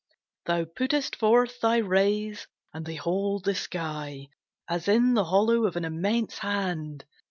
Thou puttest forth thy rays, and they hold the sky As in the hollow of an immense hand.